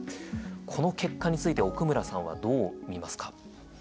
この結果について奥村さんはどう見ますか？